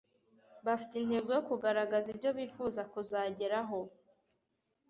bafite intego yo kugaragaza ibyo bifuza kuzageraho